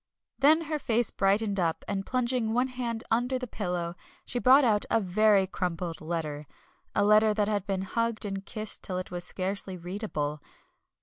Then her face brightened up, and plunging one hand under the pillow she brought out a very crumpled letter, a letter that had been hugged and kissed till it was scarcely readable.